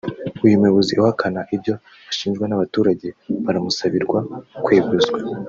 uyu muyobozi uhakanana ibyo ashinjwa n’ abaturage baramusabirwa kweguzwa